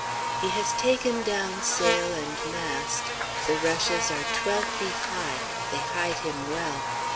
He has taken down sail and mast. The rushes are twelve feet high. They hide him well.